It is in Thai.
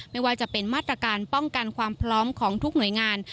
ไม่ว่าจะเป็นมาตรการป้องกันความพร้อมของทุกหน่วยงาน